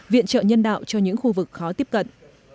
viện trợ nhân đạo cho những khu vực khó tiếp cận